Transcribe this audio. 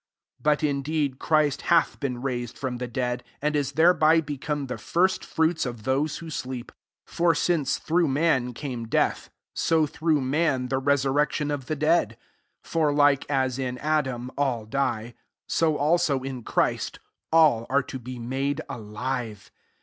do But indeed Christ hath been raised from the dead, and 18 thereby become the first fruits of those who sleep. 21 For since through man came death, so through man, the resurrection of the dead : 22 for, like as in Adam all die, so, also, in Christ all are to be made alive.